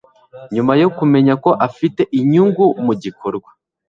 nyuma yo kumenya ko afite inyungu mu gikorwa